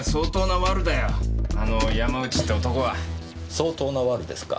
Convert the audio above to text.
相当なワルですか？